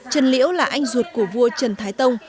trần liễu là anh ruột của vua trần thái tông